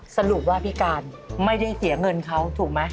สรุปว่าพี่การไม่ได้เสียเงินเขาถูกไหม